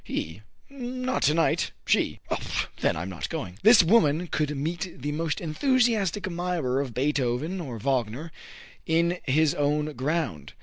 He: "Not to night." She: "Then I'm not going." This woman could meet the most enthusiastic admirer of Beethoven or Wagner on his own ground.